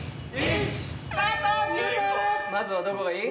まずはどこがいい？